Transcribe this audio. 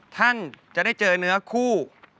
ท่านจะได้เจอเนื้อคู่